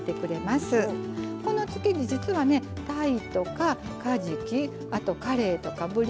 この漬け地実はねたいとかかじきあとかれいとかぶり